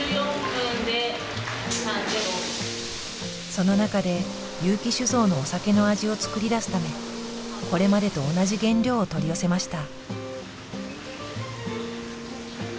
その中で結城酒造のお酒の味を作り出すためこれまでと同じ原料を取り寄せました。